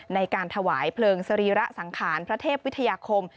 ในการถวายเพลิงสรีระสังขารพระเทพวิทยาคม